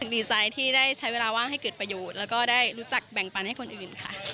ดีใจที่ได้ใช้เวลาว่างให้เกิดประโยชน์แล้วก็ได้รู้จักแบ่งปันให้คนอื่นค่ะ